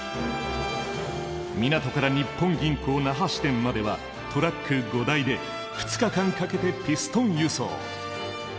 港から日本銀行那覇支店まではトラック５台で２日間かけてピストン輸送。